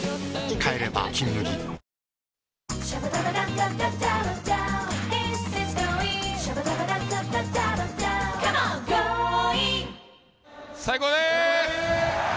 帰れば「金麦」最高でーす！